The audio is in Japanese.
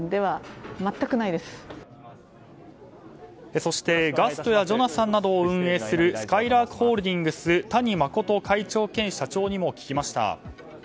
そして、ガストやジョナサンなどを運営するすかいらーくホールディングス谷真会長兼社長にも聞きました。